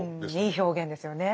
いい表現ですよね。